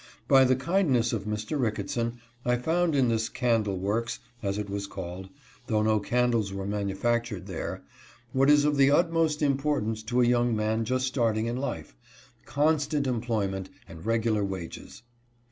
By the kindness of Mr. Ricketson I found in this " candle works," as it was called, though no candles were manufactured there, what is of the utmost importance to a young man just starting in life — constant employ ment and regular wages.